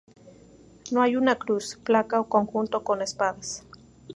No hay una cruz, placa o conjunto ""con espadas"".